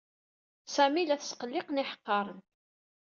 Sami la t-sqelliqen yiḥeqqaren.